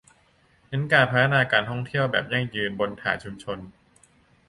เน้นการพัฒนาการท่องเที่ยวแบบยั่งยืนบนฐานชุมชน